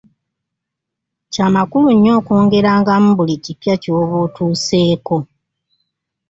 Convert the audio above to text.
Kya makulu nnyo okwongerangamu buli kipya ky'oba otuseeko.